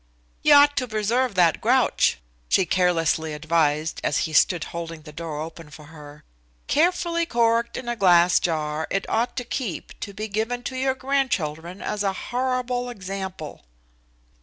"You ought to preserve that grouch," she carelessly advised, as he stood holding the door open for her. "Carefully corked in a glass jar, it ought to keep to be given to your grandchildren as a horrible example."